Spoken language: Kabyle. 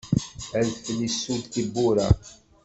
Adfel isudd tiwwura.